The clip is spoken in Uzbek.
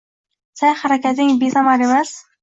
Sa’y-harakating besamar emas.